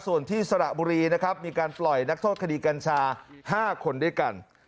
ส่วนที่สระบุรีนะครับมีการปล่อยนักโทษคดีกัญชา๕คนด้วยกัน